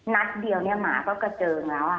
นัดเดียวเนี่ยหมาก็กระเจิงแล้ว